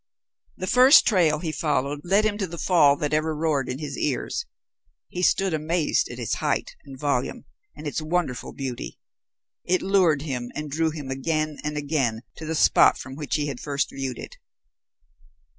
The first trail he followed led him to the fall that ever roared in his ears. He stood amazed at its height and volume, and its wonderful beauty. It lured him and drew him again and again to the spot from which he first viewed it.